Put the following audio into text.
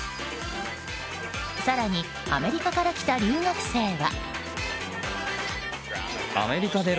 更に、アメリカから来た留学生は。